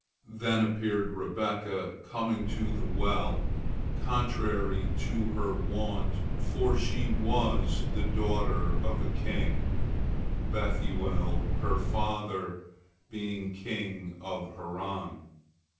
Then appeared Rebekah, coming to the well contrary to her wont, for she was the daughter of a king, Bethuel her father being king of Haran.